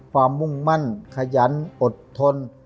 มุ่งมั่นขยันอดทน